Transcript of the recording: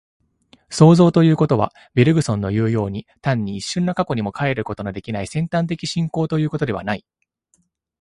創造ということは、ベルグソンのいうように、単に一瞬の過去にも還ることのできない尖端的進行ということではない。